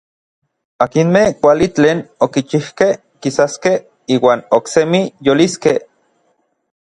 Akinmej kuali tlen okichijkej kisaskej iuan oksemi yoliskej.